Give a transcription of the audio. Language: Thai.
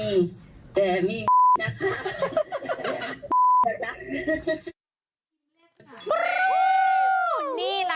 แต่มีนะคะ